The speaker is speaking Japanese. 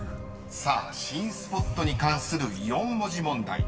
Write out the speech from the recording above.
［さあ新スポットに関する４文字問題］